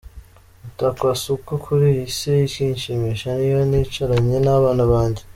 Mutakwasuku: Kuri iyi si, ikinshimisha n’iyo nicaranye n’abana banjye.